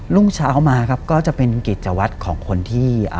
รุ่งเช้ามาครับก็จะเป็นกิจวัตรของคนที่